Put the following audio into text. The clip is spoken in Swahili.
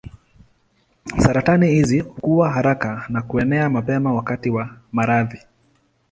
Saratani hizi hukua haraka na kuenea mapema wakati wa maradhi.